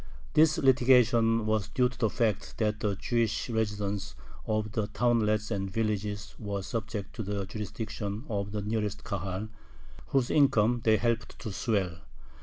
This litigation was due to the fact that the Jewish residents of the townlets and villages were subject to the jurisdiction of the nearest Kahal, whose income they helped to swell.